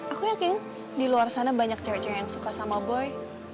aku yakin di luar sana banyak cewek cewek yang suka sama boy